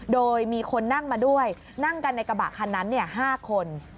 โดยมีคนนั่งมาด้วยนั่งกันในกระบะคันนั้น๕คน